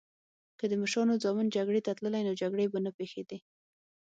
که د مشرانو ځامن جګړی ته تللی نو جګړې به نه پیښیدی